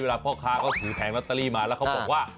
พ่อค้าเขาถือแผงลอตเตอรี่มาแล้วเขาบอกว่า